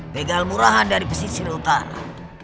begal murahan dari pesisir utara